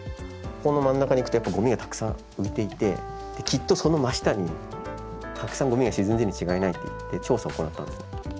ここの真ん中に行くとやっぱごみがたくさん浮いていてきっとその真下にたくさんごみが沈んでいるに違いないっていって調査を行ったんですよ。